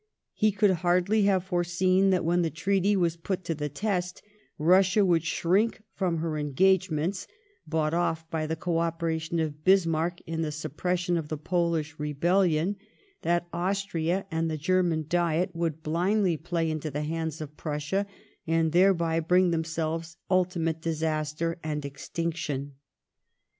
He could hardly have foreseen that when the treaty was put to the test, Russia would shrink from her engagements, bought oflF by the co operation of Bismarck in the suppression of the Polish rebellion ; that Austria and the German Diet would blindly play into the hands of Prussia, and thereby bring upon themselves ultimate disaster and extinc tion.